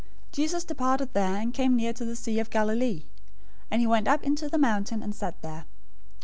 015:029 Jesus departed there, and came near to the sea of Galilee; and he went up into the mountain, and sat there.